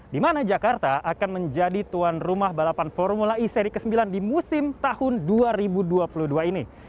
di mana jakarta akan menjadi tuan rumah balapan formula e seri ke sembilan di musim tahun dua ribu dua puluh dua ini